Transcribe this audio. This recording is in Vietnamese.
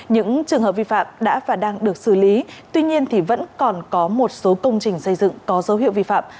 những trường hợp vi phạm đã và đang được xử lý tuy nhiên vẫn còn có một số công trình xây dựng có dấu hiệu vi phạm